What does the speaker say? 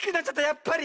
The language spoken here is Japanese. やっぱり。